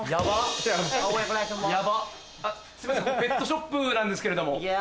ここペットショップなんですけれども。